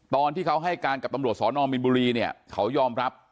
ตอนที่เขาให้การกับตำรวจศนบินบุรีเขายอมรับ